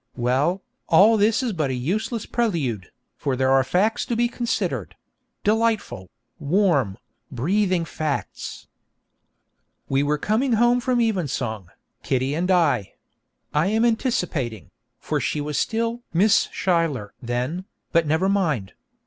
Well, all this is but a useless prelude, for there are facts to be considered delightful, warm, breathing facts! We were coming home from evensong, Kitty and I. (I am anticipating, for she was still 'Miss Schuyler' then, but never mind.)